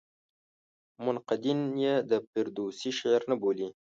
منقدین یې د فردوسي شعر نه بولي.